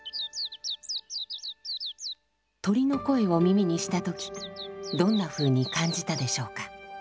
鳥の声を耳にした時どんなふうに感じたでしょうか？